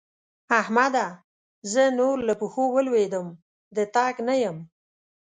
احمده! زه نور له پښو ولوېدم - د تګ نه یم.